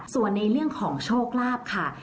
ส่วนในเรื่องของโชคลาภค่ะ